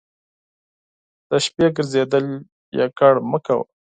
د شپې ګرځېدل یوازې مه کوه.